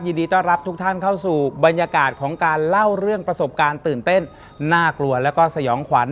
ยินดีต้อนรับทุกท่านเข้าสู่บรรยากาศของการเล่าเรื่องประสบการณ์ตื่นเต้นน่ากลัวแล้วก็สยองขวัญ